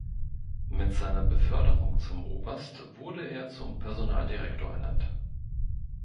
Mit seiner Beförderung zum Oberst wurde er zum Personaldirektor ernannt.